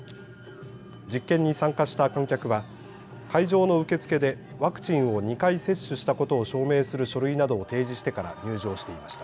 実験に参加した観客は会場の受け付けでワクチンを２回接種したことを証明する書類などを提示してから入場していました。